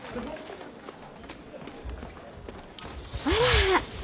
あら。